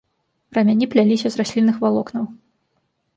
Рамяні пляліся з раслінных валокнаў.